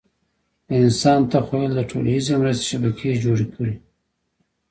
د انسان تخیل د ټولیزې مرستې شبکې جوړې کړې.